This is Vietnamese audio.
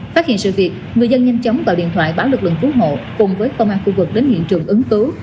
phát hiện sự việc người dân nhanh chóng gọi điện thoại báo lực lượng cứu hộ cùng với công an khu vực đến hiện trường ứng cứu